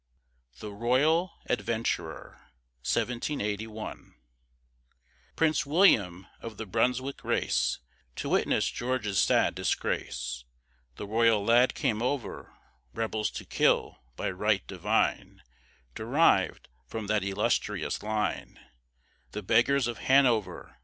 THE ROYAL ADVENTURER Prince William, of the Brunswick race, To witness George's sad disgrace The royal lad came over, Rebels to kill, by right divine Derived from that illustrious line, The beggars of Hanover.